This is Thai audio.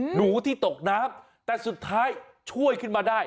หนูที่ตกน้ำแต่สุดท้ายช่วยขึ้นมาได้